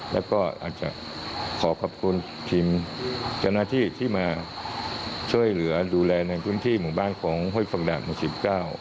แล้วก็อาจจะขอขอบคุณทีมจำหน้าที่ที่มาช่วยเหลือดูแลในกลุ่มที่หมู่บ้านของโฮยฟังดาบ๑๙